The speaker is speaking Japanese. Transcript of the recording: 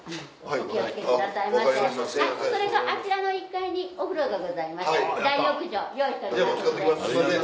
それとあちらの１階にお風呂がございまして大浴場用意しておりますんで。